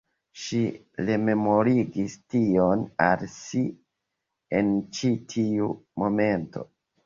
Ŝi rememorigis tion al si en ĉi tiu momento.